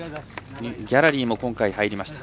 ギャラリーも今回、入りました。